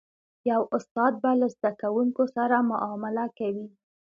یو استاد به له زده کوونکو سره معامله کوي.